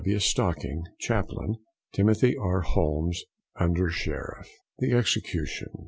W. STOCKING, chaplain; TIMOTHY R. HOLMES, Under Shertff. THE EXECUTION.